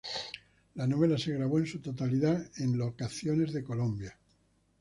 La novela se grabó en su totalidad en locaciones de Colombia.